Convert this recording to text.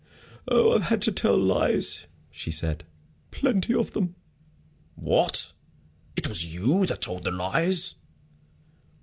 "Oh, I've had to tell lies," she said, "plenty of them." "What! It was you that told the lies?"